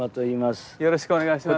よろしくお願いします。